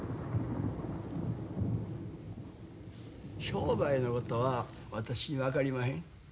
商売のことは私に分かりまへん。